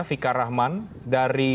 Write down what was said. vika rahman dari